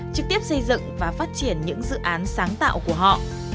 trực tiếp xây dựng và phát triển những dự án sáng tạo của họ